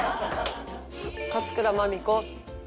勝倉麻美子